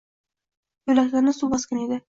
Yoʻlaklarni suv bosgan edi.